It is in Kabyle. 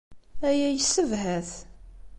Aya yessebhat.